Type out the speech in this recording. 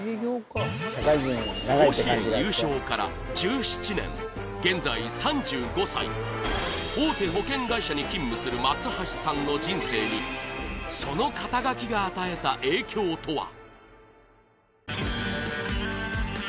甲子園優勝から１７年現在３５歳大手保険会社に勤務する松橋さんの人生にその肩書が与えた影響とは？